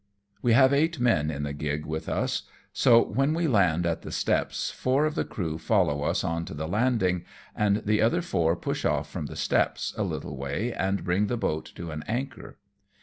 We have eight men in the gig with us. ARRIVE AT N AGAR AST. 263 so when we land at the steps, four of the crew follow us on to the landing, and the other four push off from the steps a little way and bring the boat to an anchor.